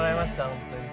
本当に」